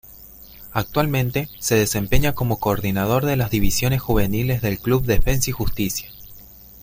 Actualmente, se desempeña como coordinador de las divisiones juveniles del Club Defensa y Justicia.